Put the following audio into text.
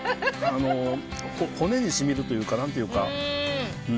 あの骨にしみるというか何というか。